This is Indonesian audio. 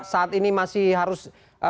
saat ini masih harus